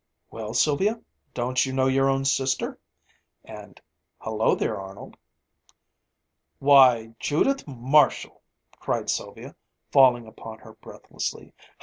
"Well, Sylvia, don't you know your own sister?" and "Hello there, Arnold." "Why, Judith Marshall!" cried Sylvia, falling upon her breathlessly.